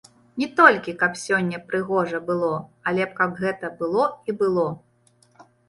Не толькі каб сёння прыгожа было, але каб гэта было і было!